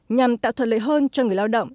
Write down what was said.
nhằm tạo thuật lợi hơn cho người lao động